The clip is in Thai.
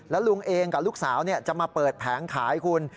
แล้วลุงเองกับลูกสาวจะมาเปิดแผงขายคุณ